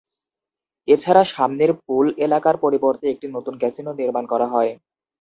এছাড়া সামনের পুল এলাকার পরিবর্তে একটি নতুন ক্যাসিনো নির্মাণ করা হয়।